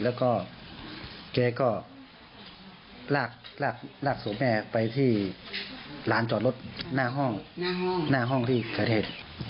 แล้วก็แกก็ลากศพแม่ไปที่ร้านจอดรถหน้าห้องหน้าห้องที่เกิดเหตุ